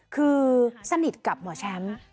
คือสนิทกับหมอแชมป์